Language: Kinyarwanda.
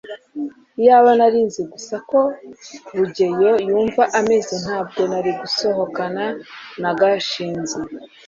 iyaba nari nzi gusa uko rugeyo yumva ameze, ntabwo nari gusohokana na gashinzi